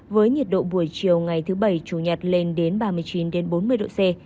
với nhiệt độ buổi chiều ngày thứ bảy chủ nhật lên đến ba mươi chín bốn mươi độ c